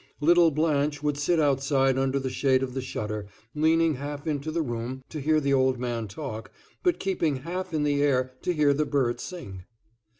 Little Blanche would sit outside under the shade of the shutter, leaning half into the room to hear the old man talk, but keeping half in the air to hear the bird sing.